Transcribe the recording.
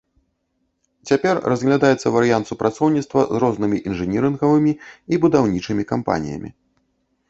Цяпер разглядаецца варыянт супрацоўніцтва з рознымі інжынірынгавымі і будаўнічымі кампаніямі.